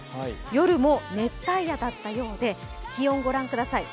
夜も熱帯夜だったようで、気温を御覧ください。